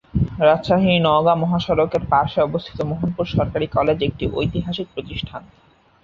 রাজশাহী-নওগাঁ মহাসড়কের পার্শ্বে অবস্থিত মোহনপুর সরকারি কলেজ একটি ঐতিহাসিক প্রতিষ্ঠান।